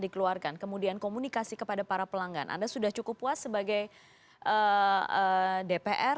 dikeluarkan kemudian komunikasi kepada para pelanggan anda sudah cukup puas sebagai dpr